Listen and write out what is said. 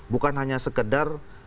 bukan hanya sekedar